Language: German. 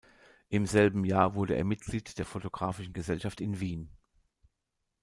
Im selben Jahr wurde er Mitglied der Photographischen Gesellschaft in Wien.